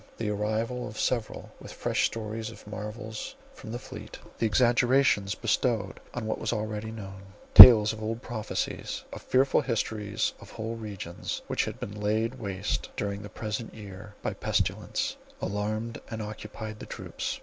The arrival of several with fresh stories of marvels, from the fleet; the exaggerations bestowed on what was already known; tales of old prophecies, of fearful histories of whole regions which had been laid waste during the present year by pestilence, alarmed and occupied the troops.